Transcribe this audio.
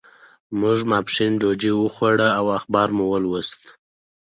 موږ ماسپښین ډوډۍ وخوړه او اخبار مو ولوست.